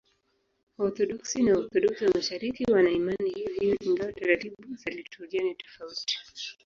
Waorthodoksi na Waorthodoksi wa Mashariki wana imani hiyohiyo, ingawa taratibu za liturujia ni tofauti.